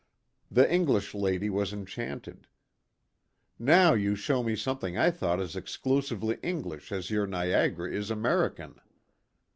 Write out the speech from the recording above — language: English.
The English lady was enchanted :" Now you show me something I thought as exclusively English as your Niagara is American."